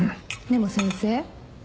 でも先生。